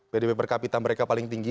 pdb per kapita mereka paling tinggi